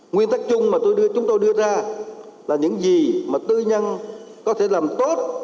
nguyên tắc chung mà chúng tôi đưa ra là những gì mà tư nhân có thể làm tốt